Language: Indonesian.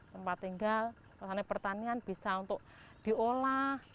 tempat tinggal pertanian bisa untuk diolah